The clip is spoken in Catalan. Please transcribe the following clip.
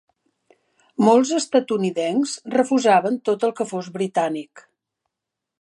Molts estatunidencs refusaven tot el que fos britànic.